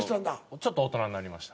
ちょっと大人になりました。